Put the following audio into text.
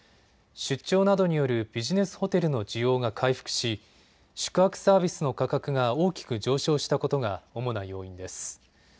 出張などによるビジネスホテルの需要が回復し宿泊サービスの価格が大きく上昇したことが主な要因です。